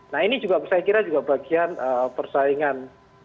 nah ini juga saya kira juga bagian persaingan